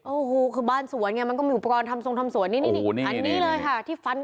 โอ้โหคือบ้านสวนไงมันก็มีอุปกรณ์ทำทรงทำสวนนี่นี่อันนี้เลยค่ะที่ฟัน